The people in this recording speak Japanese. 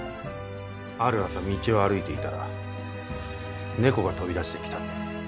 ある朝道を歩いていたら猫が飛び出してきたんです。